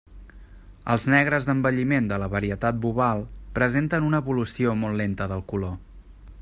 Els negres d'envelliment de la varietat boval presenten una evolució molt lenta del color.